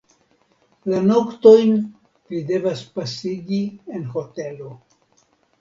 La noktojn vi devas pasigi en hotelo.